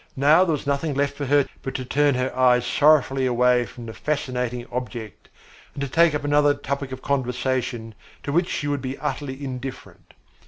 Now there was nothing left for her but to turn her eyes sorrowfully away from the fascinating object and take up another topic of conversation to which she would be utterly indifferent.